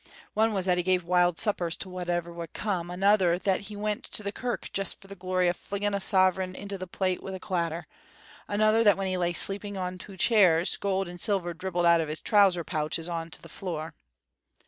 One was that he gave wild suppers to whaever would come; another that he went to the kirk just for the glory of flinging a sovereign into the plate wi' a clatter; another that when he lay sleeping on twa chairs, gold and silver dribbled out o' his trouser pouches to the floor.